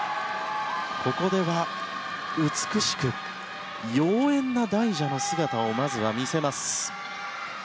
ここでは美しく妖艶な大蛇の姿をまずは見せます。